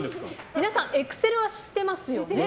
皆さんエクセルは知ってますよね。